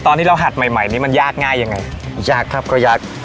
ตอนที่เราหัดใหม่ใหม่นี้มันยากง่ายยังไงยากครับก็ยาก